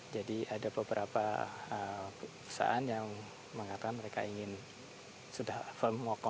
jadi ada beberapa perusahaan yang mengatakan mereka ingin sudah firm more contract